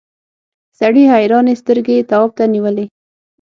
سړي حیرانې سترګې تواب ته نیولې.